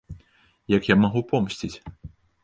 Як я магу помсціць?